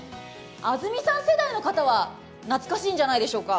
安住さん世代の方は懐かしいんじゃないでしょうか。